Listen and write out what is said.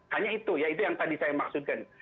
hanya itu ya itu yang tadi saya maksudkan